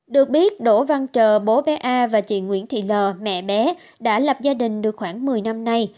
được biết đỗ văn trò bố bé a và chị nguyễn thị l mẹ bé đã lập gia đình được khoảng một mươi năm nay